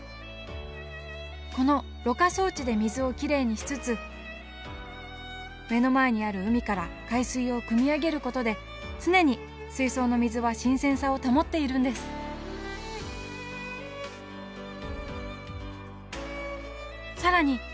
このろ過装置で水をきれいにしつつ目の前にある海から海水をくみ上げることで常に水槽の水は新鮮さを保っているんです更に